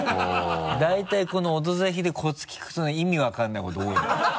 だいたいこの「オドぜひ」でコツ聞くとね意味分かんないこと多いの。